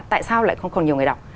tại sao lại không còn nhiều người đọc